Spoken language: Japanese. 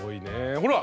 ほら！